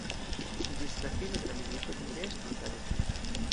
Ĝis la fino de la milito li restis arestita.